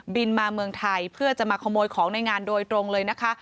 มาเมืองไทยเพื่อจะมาขโมยของในงานโดยตรงเลยนะคะ